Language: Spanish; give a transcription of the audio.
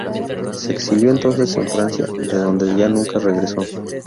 Se exilió entonces en Francia, de donde ya nunca regresó.